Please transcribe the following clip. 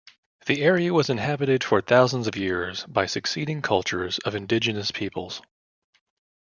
The area was inhabited for thousands of years by succeeding cultures of indigenous peoples.